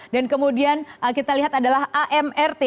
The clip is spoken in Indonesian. dan kemudian kita lihat adalah amrt